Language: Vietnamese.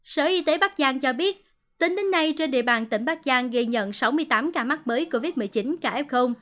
sở y tế bắc giang cho biết tính đến nay trên địa bàn tỉnh bắc giang ghi nhận sáu mươi tám ca mắc mới covid một mươi chín kf